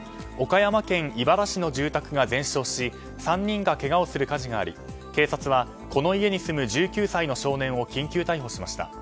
岡山県井原市の住宅が全焼し３人がけがをする火事があり警察はこの家に住む１９歳の少年を緊急逮捕しました。